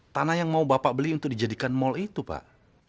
tanah yang mau bapak beli untuk dijadikan mall itu pak